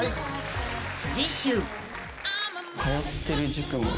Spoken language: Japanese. ［次週］